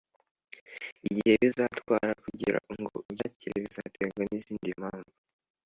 Igihe bizatwara kugira ngo ubyakire bizaterwa n’izindi mpamvu